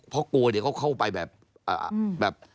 เพราะกลัวเขาเข้าไปแบบ